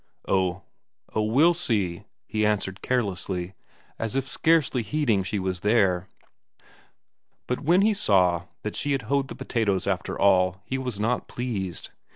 "Oh, we'll see," he answered carelessly, as if scarcely heeding she was there. But when he saw that she had hoed the potatoes after all he was not pleased.